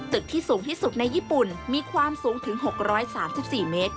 ตึกที่สูงที่สุดในญี่ปุ่นมีความสูงถึง๖๓๔เมตร